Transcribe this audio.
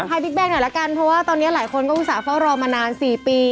บิ๊กแก๊หน่อยละกันเพราะว่าตอนนี้หลายคนก็อุตส่าห์เฝ้ารอมานาน๔ปี